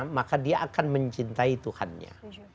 maka dia akan mencintai tuhannya